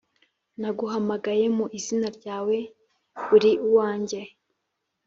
Naguhamagaye mu izina ryawe i uri uwanjye